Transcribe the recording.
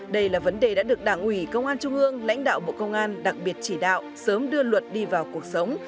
đây là vấn đề đã được đảng ủy công an trung ương lãnh đạo bộ công an đặc biệt chỉ đạo sớm đưa luật đi vào cuộc sống